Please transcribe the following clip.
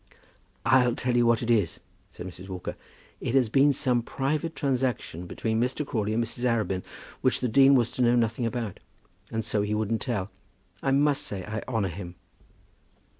"I'll tell you what it is," said Mrs. Walker; "it has been some private transaction between Mr. Crawley and Mrs. Arabin, which the dean was to know nothing about; and so he wouldn't tell. I must say I honour him."